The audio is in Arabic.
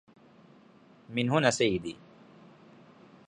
من هنا، سيدي.